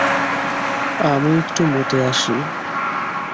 আমি একটু মুতে আসি।